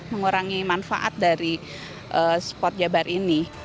mengurangi manfaat dari spot jabar ini